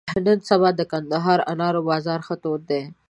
نن سبا د کندهاري انارو بازار ښه تود دی.